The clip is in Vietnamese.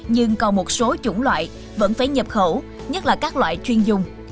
nhưng còn một số chủng loại vẫn phải nhập khẩu nhất là các loại chuyên dùng